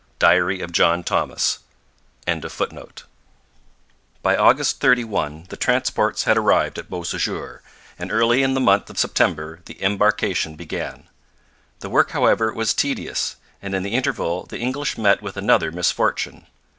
Diary of John Thomas.] By August 31 the transports had arrived at Beausejour, and early in the month of September the embarkation began. The work, however, was tedious, and in the interval the English met with another misfortune.